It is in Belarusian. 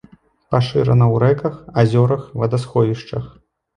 Пашырана ў рэках, азёрах, вадасховішчах.